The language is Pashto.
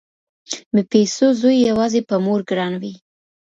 بې پيسو زوی يواځې په مور ګران وي